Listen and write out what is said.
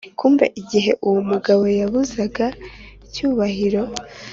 kumbe igihe uwo mugabo yabuzaga cyubahiro